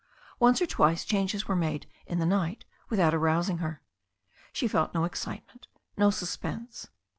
Once or twice changes were made in the night without arousing her. She felt no excitement, no suspense.